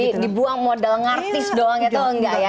jadi dibuang modal ngartis doang itu enggak ya